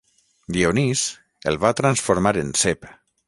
Dionís, el va transformar en cep.